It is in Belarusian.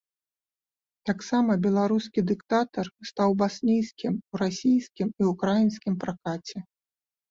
Таксама беларускі дыктатар стаў баснійскім у расійскім і ўкраінскім пракаце.